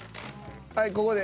はいここで。